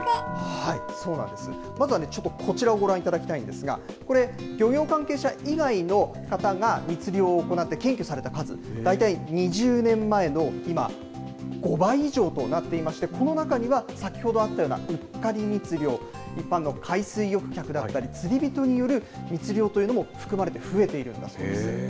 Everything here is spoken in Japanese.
まずはね、ちょっとこちらをご覧いただきたいんですが、これ、漁業関係者以外の密漁を行って検挙された数、大体２０年前の今５倍以上となっていまして、この中には、先ほどあったような、うっかり密漁、一般の海水浴客だったり、釣り人による密漁も含まれて、増えているんだそうです。